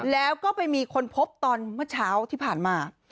แล้วก็ไปมีคนพบตอนเมื่อเช้าที่ผ่านมา